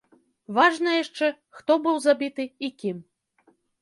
Важна яшчэ, хто быў забіты і кім.